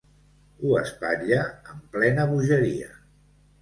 Ho espatlla en plena bogeria.